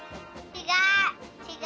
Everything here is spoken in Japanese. ちがう。